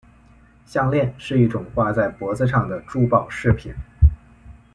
项链是一种挂在脖子上的珠宝饰品。